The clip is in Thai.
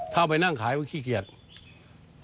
เอาไปนั่งขายก็ขี้เกียจ